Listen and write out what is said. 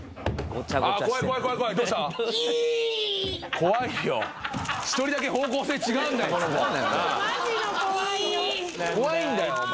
怖いんだよお前。